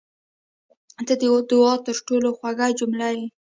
• ته د دعا تر ټولو خوږه جمله یې.